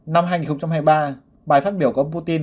năm hai nghìn hai mươi ba bài phát biểu của ông putin